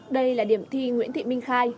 đây là điểm thi nguyễn thị minh khai